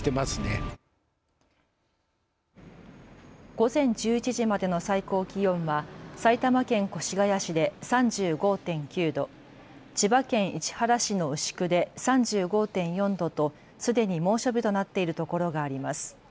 午前１１時までの最高気温は埼玉県越谷市で３５．９度、千葉県市原市の牛久で３５．４度とすでに猛暑日となっているところがあります。